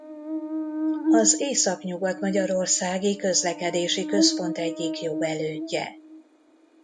Az Északnyugat-magyarországi Közlekedési Központ egyik jogelődje.